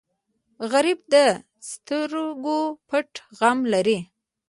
غریب د سترګو پټ غم لري